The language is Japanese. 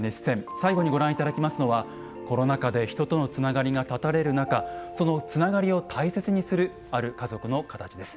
最後にご覧いただきますのはコロナ禍で人とのつながりが断たれる中そのつながりを大切にするある家族の形です。